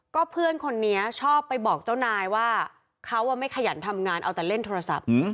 ก็เพื่อนคนนี้ชอบไปบอกเจ้านายว่าเขาไม่ขยันทำงานเอาแต่เล่นโทรศัพท์